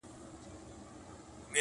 نه نه غلط سوم وطن دي چین دی-